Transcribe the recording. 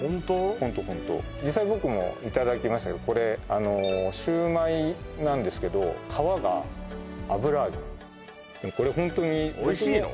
ホントホント実際僕もいただきましたけどこれあのシュウマイなんですけど皮が油揚げこれホントに僕もおいしいの？